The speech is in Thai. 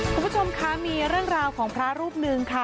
คุณผู้ชมคะมีเรื่องราวของพระรูปหนึ่งค่ะ